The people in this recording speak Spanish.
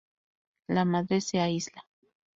La madre se aísla.